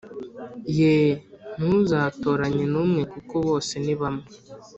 Yeee ntuzatoranye n’umwe kuko bose nibamwe